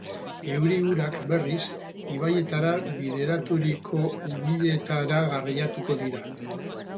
Euri-urak berriz, ibaietara bideraturiko ubideetara garraiatuko dira.